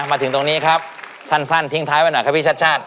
มาถึงตรงนี้ครับสั้นทิ้งท้ายไว้หน่อยครับพี่ชาติชาติ